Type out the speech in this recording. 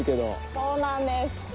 そうなんです。